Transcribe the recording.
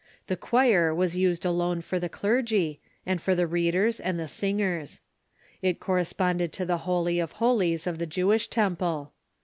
The choir was used alone for the clergy, and for the readers and the singers. It corresponded to the holy of holies of the Jewish temple.